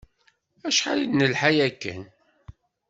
Acḥal i d-nelḥa akken.